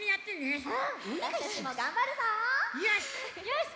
よし！